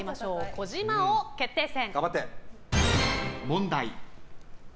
児嶋王決定戦。